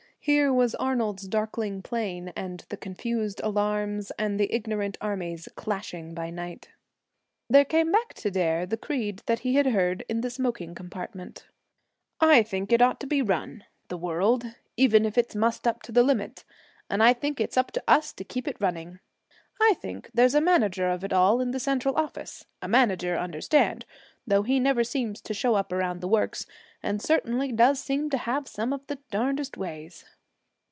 Here was Arnold's darkling plain, and the confused alarms and the ignorant armies clashing by night. There came back to Dare the creed he had heard in the smoking compartment: 'I think it ought to be run, the world, even if it's mussed up to the limit, and I think it's up to us to keep it running. I think there's a manager of it all in the central office a manager, understand, though he never seems to show up around the works, and certainly does seem to have some of the darnedest ways.'